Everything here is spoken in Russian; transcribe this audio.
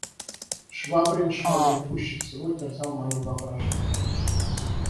Швабрин, Швабрин пуще всего терзал мое воображение.